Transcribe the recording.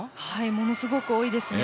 ものすごく多いですね